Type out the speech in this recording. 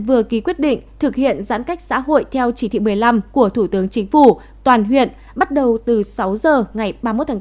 vừa ký quyết định thực hiện giãn cách xã hội theo chỉ thị một mươi năm của thủ tướng chính phủ toàn huyện bắt đầu từ sáu giờ ngày ba mươi một tháng bốn